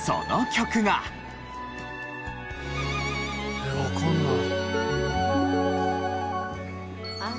えっわかんない。